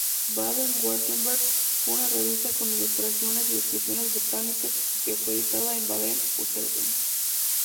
Baden-Württemberg, fue una revista con ilustraciones y descripciones botánicas que fue editada en Baden-Württemberg.